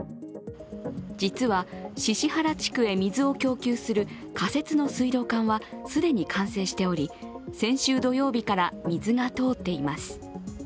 実は宍原地区へ水を供給する仮設の水道管は既に完成しており、先週土曜日から水が通っています。